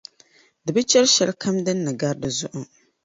Di bi chɛri shɛli kam di ni gari di zuɣu.